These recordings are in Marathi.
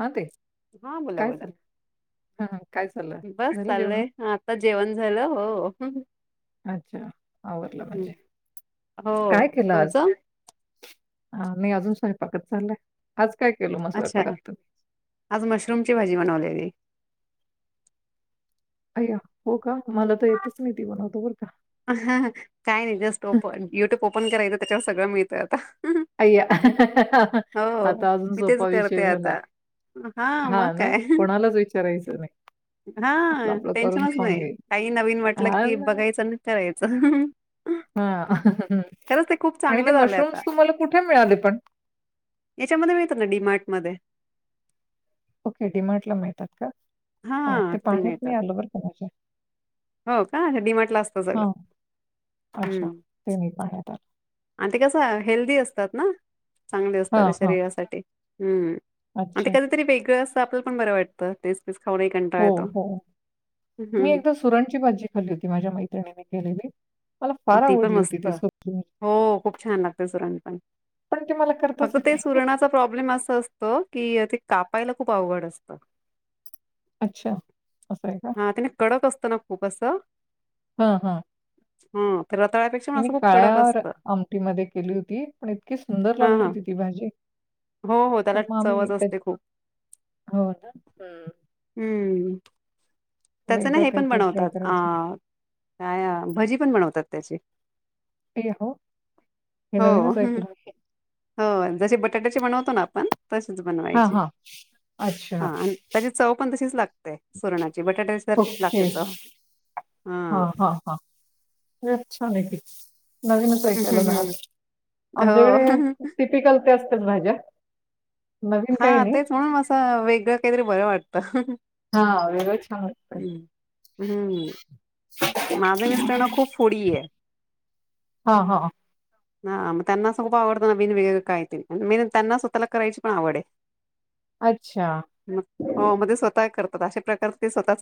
हा ते हा बोला काय बोला झालं बस चाललंय आता जेवण झालं हो अच्छा आवरडला म्हणजे काय हो केलं आज तुमचं हा नाही अजून स्वयंपाकच चाललंय आज काय केलो मग अच्छा स्वयंपाकात तुम्ही आज मशरूमची भाजी बनवलेली अय्या हो का मला तर येतच नाही ती बनवतो बर ह काय नाही जस्ट ओपन युट्यूब ओपन करायचं त्याच्यावर सगळं मिळतं आता अय्या हो आता अजून मी तेच सोपा विषय करते झाला आता मग हा ना काय कोणालाच विचारायचं नाही हा आपलं-आपलं करून टेन्शनच खाऊन नाही घ्यायचं. काही नवीन म्हटलं कि बघायचं आणि करायचं हा खरंच ते खूप आणि ते चांगलं झालंय आता मशरूम्स तुम्हाला कुठे मिळाले पण याच्यामध्ये मिळत ना डीमार्ट मध्ये ओके डीमार्ट ला मिळतात का हा ते तिथे पाण्यात नाही मिळतात आलोवरर कणा हो का अच्छा डीमार्टला असतं सगळं हा अच्छा हम्म ते नाही पाहण्यात आलं आणि ते कसं हेल्दी असतात ना चांगले असतात त्या हां, हां. शरीरासाठी हम्म आणि ते अच्छा. कधीतरी वेगळं आपला पण बरं वाटतं ते हो हो मी हम्म एकदा सुरणची भाजी खाल्ली होती माझ्या मैत्रिणीनी केलेली मला अ फार ती पण आवडली होती मस्त ती सुरणाची भाजी. हो खूप छान लागते सुरण पण पण ती मला करताच फक्त येत ते नाही. सुरणाचा प्रॉब्लेम अस असत कि कापायला खूप आवड असत अच्छा, असं आहे का? हा त्याने कडक असतो ना खूप असं हा हा हम् मी काळ्यावर आमटी मध्ये केली होती पण इतकी सुंदर हा लागली हा होती ती भाजी हो हो पण त्याला मग आम्ही चवच त्यात असते खूप हो का हम् त्याच ना हे पण बनवतात अ करायचं. काय भजी पण बनवतात त्याची ते हो, हे हो नवीनच ऐकलं मी. हो जसे बटाट्याचे बनवतो ना आपण तसेच हां, बनवायचे हां. अच्छा. हा आणि त्याची चव पण तशीच लागते सुरणाची बटाट्या विर किती लागतेच हा हा हाचछा नकी नवीनचही हं हं केलं नाही ह हं आमच्याकडे हो टिपिकल ते असत भाज्या नवीन हा काही नाही. तेच म्हणून असं वेगळं काहीतरी बर वाटतं हा हव सांग प हम्म हम्म माझे मस्टरना खूप फरय हा हा ह मग त्यांना असं खूप आवडतं नवीन वेगं काय ते मी त्यांना स्वतःला करायची पण आवड आहे अच्छा हो म्हणज स्वतः करतात अशा प्रकार ते स्वतः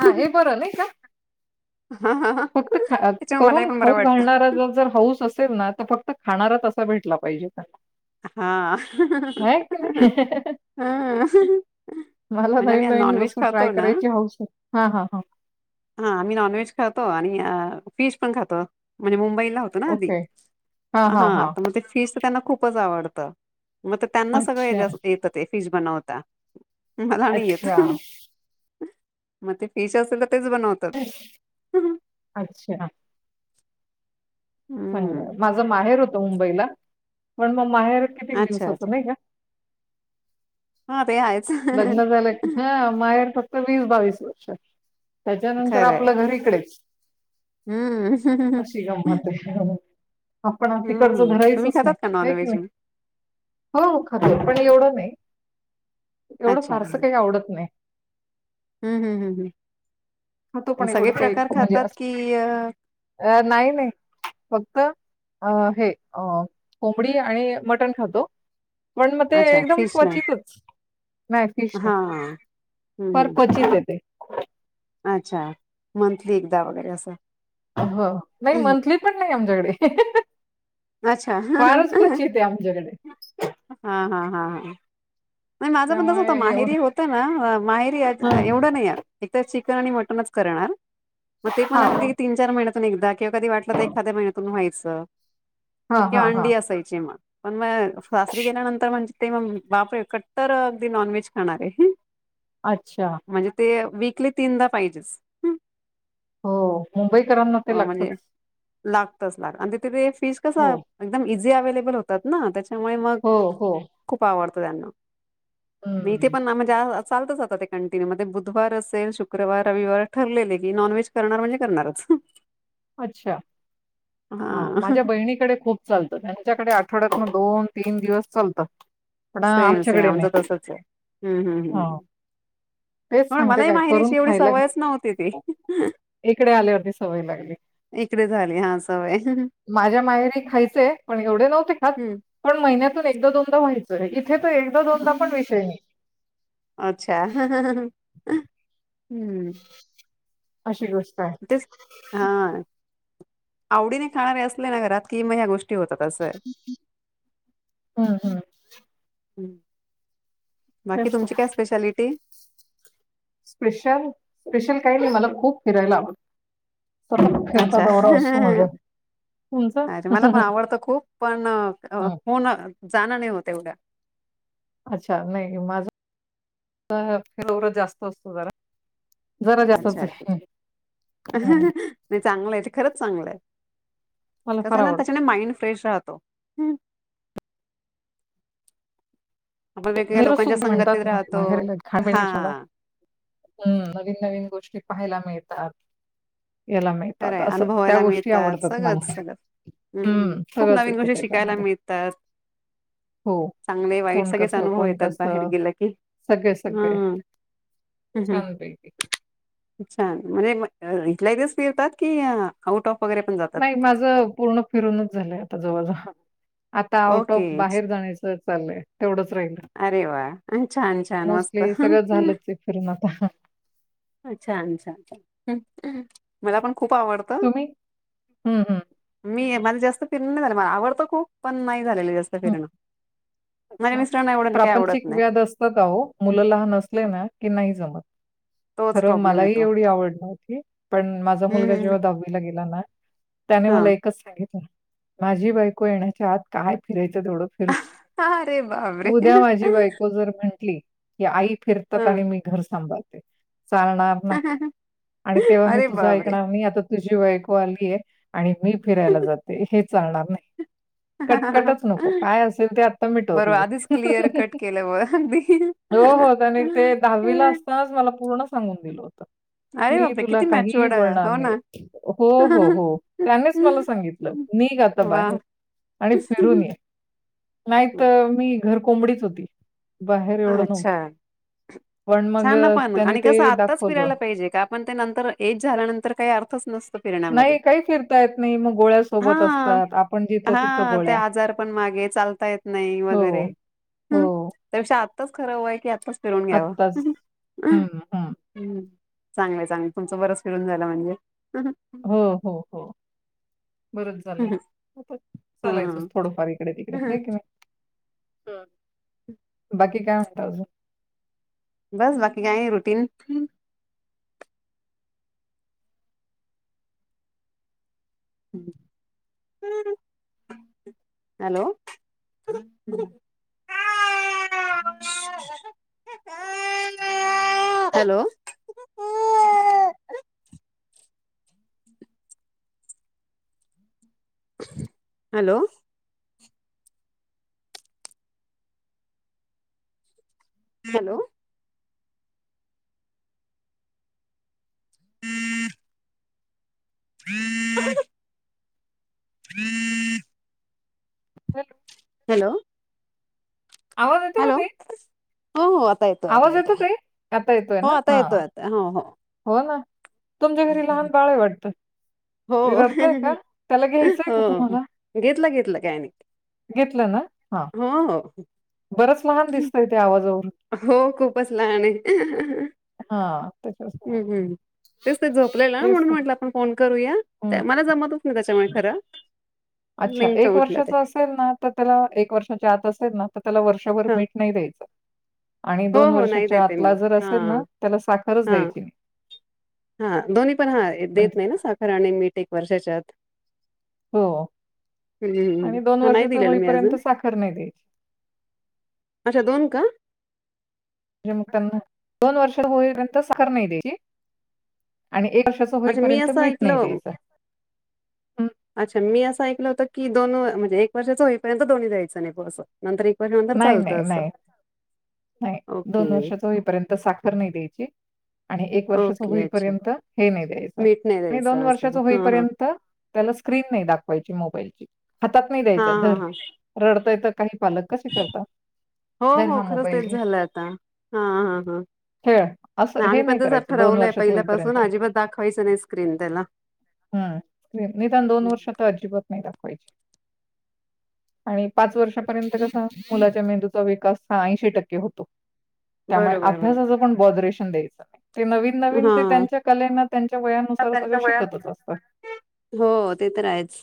हा हे बरं नाही का हा हा हा फक्त ख त्याच्यामुळे मलाही करून पण बरं खाऊ वाटतं. घालणारा जर हाऊस असेल ना तर फक्त खाणारच अस भेटला पाहिजे का हा नाही हा मला नवीन नवीन वस्तू ट्राय करायची हौस हा हा हा हा आम्ही नॉन व्हेज खातो आणि पण खात म्हण मुंबईला होत ना आधीा ओके हा हा हा मग फ त्यांना खूपच आवडत मग त्यांना सगळ अच्छा येत फिश बनवता मला नाही येत अच्छा मग ते फीश असल अच्छा हं. चांगल माझं माहेर होत मुंबईला पण म माहेर कितीक अच्छा, दिवसाच अच्छा. नाही का हां, ते आहेच. लग्न झालं की हा माहेर फक्त वीस बावीस वर्ष त्याच्यानंतर आपलं घरीकडेच हम्म ह ह गंमत आहे आपण तिकडचं धरायचंच खातात नाही का आहे की नॉनव्हेज नाही मग? हो हो खातं पण एवढं नाही एवढं फारसं काही का आवडत नाही हम्म हम्म हम्म हम्म हो तो पण एवढं काही म्हणजे अस की अ, अ नाही नाही फक्त अ हे कोंबडी आणि मटण खातो पण मग ते अच्छा एकदम फिश नाही. क्वचितच नाही फिश नाही हां. हं, फ हं. पचीीच ते अच्छा मंथली एकदा वगैरे असं हो नाही मंथली पण नाही आमच्याकडे अच्छा हा ह फारच ह क्वचित आहे आमच्याकडे हा हा हा हा नाही माझं पण तस होत त्यामुळे एवढं माहेरी होत ना माहेरी हा एवढं नाही आ एक तर शिक कन आणि मटनचं करणार म तेपण अगदी हा तीनचार महिन्यात तून एकदा किंवा कधी वाटलं तर एखाद्या महिन्यातून व्हायचं हा हा किंवा हा अंडी असायची म. पण मग सासरी गेल्यानंतर म्हंजे तेम बापरे कट्टर अगदी नॉनव्हेज खाणारे. अच्छा म्हंजेते वीकली तीनदा पाहिजेच. हो. मुंबईकरांना ते अ लागतंच म्हंजे लागतच लाग आन तिथे फिश कस हो एकदम इझी अवेलेबल होतातना त्याच्यामुळे मग हो हो खूप आवड त त्यांना म इथे हम्म. पणना माज्या अ- चालतच आता ते कंटिन्यू मते बुधवार असेल शुक्रवार, रविवार ठरलेले की नॉनव्हेज करणार म्हणजे करणारच. अच्छा हां हा माझ्या बहिणीकडे खूप चालत त्यांच्याकडे आठवड्यात दोन तीन दिवस चालत. सेम सेम आमचं तसचय हम्म हम्म हा हम्मम्. तेच मण सांगते मलाही काय माहेरी करून अशी एवढी खायला घाल सवयच नव्हती ती. इकडे आल्यावर ती सवय लागली. इकडे झाली हां स माझ्या माहेरी खायचे पण एवढे नव्हते खात हम्म पण महिन्यातून एकदा दोनदा व्ह व्हायच इथेत एकदा दोनदा पण विषय नइ. अच्छा हं. अशी गोष्ट आहे टे हां आवडीने खाणारे असले ना घरात कि म ह्या गोष् टी होतात असाय. हम्म हम्म बाकी तेच तुमची तर. काय स्पेशालिटी? स्पेशल स्पेशल काइनाइ मला खूप फिरायला आवड अच्छा. असतो माझा तुमचा अरे मला पण आवडत खूप पण हं. होणं जाणं नइ होत एवढं. अच्छा नाई माझा [unintelligible] जास्त असतो जरा. जरा जास्तच अच्छा अच्छा, आहे हं. चांगलंय ते खरंच चांगलंय. मला कसा फार आहेना. आवडते. त्याच्याने माइंड फ्रेश राहतो. आपण वेगवेगळ्या लोकांच्या संगतीत म्हणतात ना राहतो बाहेर हा [unintelligible] हम्म नवीन नवीन गोष्टी पाहायला मिळतात. याला मिळतात. खरंय असं त्या अनुभवायला गोष्टी मिळतात आवडतात सगळंच मला. सगळंच हम्म खूप सगळंच नवीन येतं म्हणजे शिकायला त्याच्यामध्ये. मिळतात. हो चांगले वाईट कोण सगळे कसं, अनुभव कोण येतात बाहेर कसं गेल की सगळे सगळे हं. हम्म हं छानपैकी. छान म्हंणजे, इथल्या इथच फिरता कीं आउट ऑफ वगैरे पण जातात नाई माझं पूर्ण फिरूनच झालंय आता जवळजवळ. आता आउट ऑफ ओके बाहेर जाण्याचं चाल्लंय तेवढंच. राहिलं. अरे वा छान छान मस्त. मोस्टली सगळं झालंच आहे फिरून आता. अं छान छान मला पण खूप आवडत तुम्ही? हं, हं, मी. मला जास्त फिरण नाय झालं मला आवडतं खूप पण नाई झालेलं जास्त हं. फिरणं माझ्या अच्छा. मिस्टर नाय प्रापंचिक व्याद असतात आहो मुलं लहान असलेना की नाही जमत. तोच खरं प्रॉब्लेम मलाही येतो. एवढी आवड नव्हती पण माझा हम्म मुलगा हम्म जेव्हा दहावीला गेलाना. त्याने हा. मला एकच सांगितलं माझी बायको येण्याच्या आत काय फिरायचं तेवढं फिर अरे बापरे! उद्या माझी बायको जर म्हंटली की आई फिरतात आणि हा. मी घर सांभाळते. चालणार नाही आणि तेव्हा मी अरे तुझं बापरे! ऐकणार नाही. आता तुझी बायको आलीये आणि मी फिरायला जाते हे चालणार नाही. कटकटच नको काय असेल ते आता फिटव बरोबर तुझं आधीच क्लिअर कट केलं मग अगदी. होहो त्याने ते दहावीला असतानाच मला पूर्ण सांगून दिलं होत. अरे मी बापरे! तुला किती काही मॅच्युअर्ड आहे. बोलणार हो ना. नाही. हो हो हो त्यांनीच मला सांगितलं, निघ आता बाहेर वाह! आणि फिरून ये. नाहीतर, मी घर कोंबडीच होती. बाहेर एवढं न्हवत. अच्छा. पण मग छान ना त्यानी आणि ते कसं आत्ताच फिरायला दाखवलं. पाहिजे का पण ते नंतर एज झाल्यानंतर काही अर्थच नसत. फिरण्यामध्ये. नाही, काही फिरता येत नाही. मग गोळ्या सोबत हा असतात. आपण जिथं तिथं हा ते गोळ्या. आजार पण मागे, चालता येत नाही हो, वगैरे हो. हं. अच्छा, आताच खरंय वय की आताच फिरून घ्यावं. आत्ताच. हं, हं. चांगलंय चांगलं तुमचं बरच फिरून झाला म्हणजे, हं, हो हो हो बरच चाल य हं. चालायचंच थोडंफार इकडे तिकडे हं, हं. होय की नाही. बाकी काय म्हणताव, बस बाकी काय रुटीन हम् हॅलो ह शू [unintelligible] हॅलो ह [unintelligible] हॅलो हॅलो हम्म [unintelligible] हम्म [unintelligible] [unintelligible] हॅलो आवाज येतो का ताई, हो हो आता येतोय आता आवाज येतो येतोय ताई आता येतोय हो ना आता हा. येतोय आता हो हो तुमच्या घरी लहान बाळ वाटतं ते हो रडतय का त्याला घ्यायचंय का हो तुम्हाला घेतलं घेतलं काय नाही घेतलं ना हा हो हो बरच लहान दिसत इथ आवाज हो खूपच लहान आहे ह हां, त्याच्यावर हम्म तेच ते झोपलेलं तेच म्हणून तर. म्हटलं आपण फोन करूया हं. मला जमतच नाही त्याच्यामुळे खरं अच्छा नेमकं एक उठलं वर्षाच ते असेल ना तर त्याला एक वर्षाच्या आत असेल ना त्याला वर्ष ह मीठ नाही द्यायच आणि हो दोन हो नाही वर्षाच्या देते आतला मी जर हा असेल ना त्याला साखरच द्यायची नाही हा दोन्ही पण हा देत म्हणजे नाही ना साखर आणि मीठ एक वर्षाच्या आत हो हम्मम्म् आणि हा नाही वर्षाचं दिलेलं मी होईपर्यंत अजून साखर नाही द्यायची. अच्छा दोन का म्हणजे मग त्यांना दोन वर्ष होईपर्यंत साखर नाही द्याची आणि एक वर्षाच अच्छा मी होईपर्यंत असं मीठ नाही ऐकलं द्यायचं हं, अच्छा मी असं ऐकलं होतं की दोन म्हणजे एक वर्षाच होईपर्यंत दोन्ही द्यायचं नाही असं तर नाही, चालत नाही, असं नाही, नाही दोन ओके, वर्षाच होईपर्यंत साखर नाही द्यायची आणि एक वर्षाच ओके. अच्छा. होईपर्यंत हे नाही मीठ नाही आणि दोन द्यायचं असं. वर्षाच हां, हां. होईपर्यंत त्याला स्क्रीन नाही दाखवायची मोबाईलची हातात नाही हां, द्यायचं हां, धर हां. रडतय हो धर हो हा खरंच मोबाईल तेच घे झालं आता हा हा हा खेळ असं नाही हे आम्ही पणच करायचं दोन ठरवलय वर्षाच पहिल्यापासून होईपर्यंत अजिबात दाखवायचं नाही स्क्रीन त्याला हम् निदान दोन हं. वर्ष तर अजिबात नाही दाखवायची आणि पाच वर्षापर्यंत मुलाच्या मेंदूचा विकास हा ऐशी टक्के होतो त्यामुळे बरोबर, बरोबर. अभ्यासा पण ब ते नवीन नवीन हां. त्यांच्या कलेना त्यांच्या वयानुसार सगळं त्यांच्या वयान शिकतच असतं हो अ ते तर आहेच.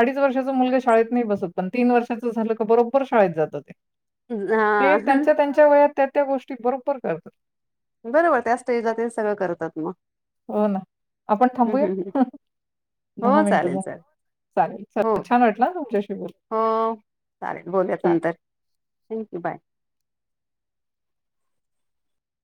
अडीच वर्षांचा मुलगा शाळेत नाही बसत पण ते तीन वर्षाच झाले की ते बरोबर शाळेत जात ते पण हा त्यांच्य त्याच त्या गोष्टी बरोबर कळतात बरोबर त्या स्टेजला ते सगळं करतात ना हो ना आपण थांबूयात हं. का हो चालेल चालेल हो चालेल छान वाटलं हं तुमच्याशी बोलून हो चालेल बोलूयात चालेल. नंतर थँक्यू बाय